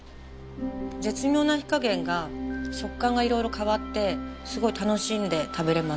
絶妙な火加減が食感が色々変わってすごい楽しんで食べれます。